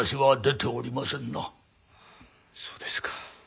そうですか。